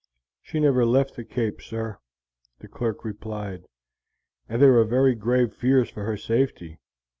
"She never left the Cape, sir," the clerk replied, "and there are very grave fears for her safety.